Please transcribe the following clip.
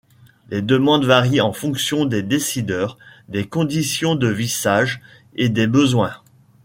Les demandes varient en fonction des décideurs, des conditions de vissage et des besoins.